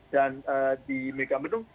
dan di mega menung